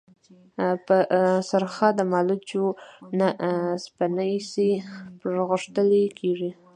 په سرخه د مالوچو نه سپڼسي پرغښتلي كېږي۔